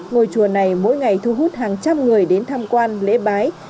ngôi chùa này mỗi ngày thu hút hàng trăm người đến tham quan lễ bái